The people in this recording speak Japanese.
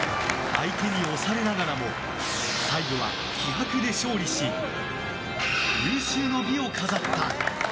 相手に押されながらも最後は気迫で勝利し有終の美を飾った。